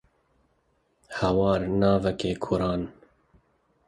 hawar navekê kurane